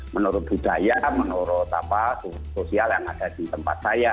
menurut budaya menurut sosial yang ada di tempat saya